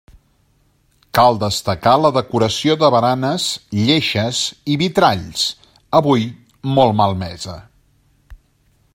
Cal destacar la decoració de baranes, lleixes i vitralls, avui molt malmesa.